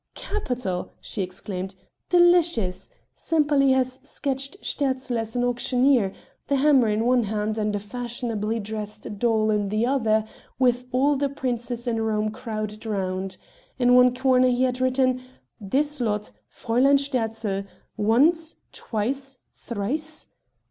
"Capital!" she exclaimed, "delicious!" Sempaly had sketched Sterzl as an auctioneer, the hammer in one hand and a fashionably dressed doll in the other, with all the Princes in Rome crowded round. In one corner he had written: "This lot Fräulein Sterzl once, twice, thrice...."